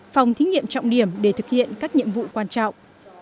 phòng thí nghiệm trọng điểm để thực hiện các nhiệm vụ quan trọng